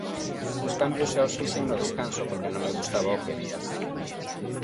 Os cambios xa os fixen no descanso porque non me gustaba o que vía.